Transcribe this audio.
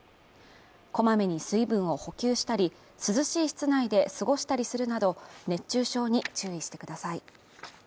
こまめに水分を補給したり涼しい室内で過ごしたりするなど、熱中症に注意してください。